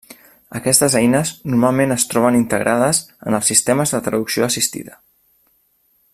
Aquestes eines normalment es troben integrades en els sistemes de traducció assistida.